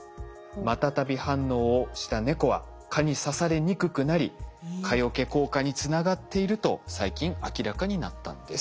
マタタビ反応をした猫は蚊に刺されにくくなり蚊よけ効果につながっていると最近明らかになったんです。